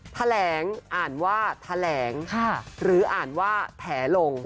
ทะแหลงอ่านว่าทะแหลงหรืออ่านว่าแถลง